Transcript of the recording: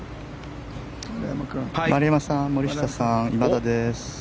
丸山さん、森下さん今田です。